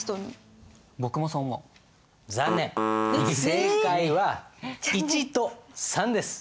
正解は１と３です。